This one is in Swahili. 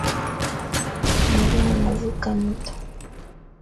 Mwalimu anavuka mto